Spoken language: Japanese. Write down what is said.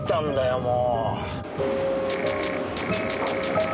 もう。